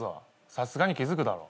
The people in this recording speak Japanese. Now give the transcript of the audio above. さすがに気付くだろ。